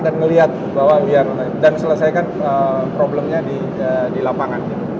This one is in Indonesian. dan ngelihat bahwa dan selesaikan problemnya di lapangan